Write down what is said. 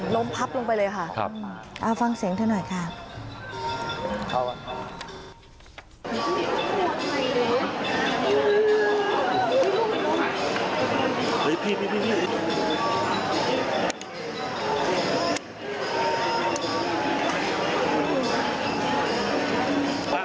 ล้มพับลงไปเลยค่ะค่ะฟังเสียงเท่านั้นหน่อยค่ะครับ